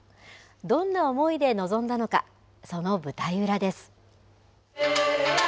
どんな思いで臨んだのかその舞台裏です。